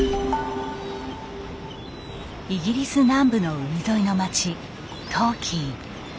イギリス南部の海沿いの町トーキー。